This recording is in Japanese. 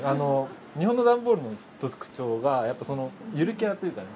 日本の段ボールの特徴がやっぱそのゆるキャラっていうかね。